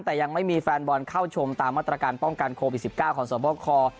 แต่ยังไม่มีแฟนบอลเข้าชมตามมาตรการป้องกันโควิด๑๙ของสวบค